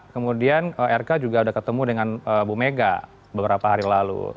kemudian rk juga sudah ketemu dengan bu mega beberapa hari lalu